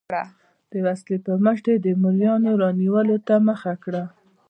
د وسلې پر مټ یې د مریانو رانیولو ته مخه کړه.